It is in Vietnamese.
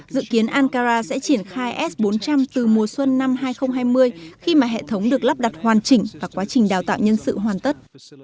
dự kiến ankara sẽ triển khai s bốn trăm linh từ mùa xuân năm hai nghìn hai mươi khi mà hệ thống được lắp đặt hoàn chỉnh và quá trình đào tạo nhân sự hoàn tất